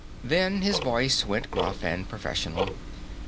Then his voice went gruff and professional.